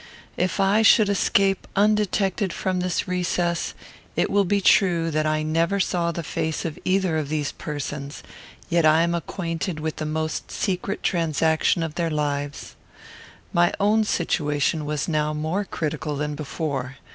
If I should escape undetected from this recess, it will be true that I never saw the face of either of these persons, and yet I am acquainted with the most secret transaction of their lives. My own situation was now more critical than before.